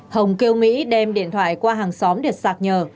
hồng kêu mỹ đem điện thoại qua hàng xóm để sạc nhờ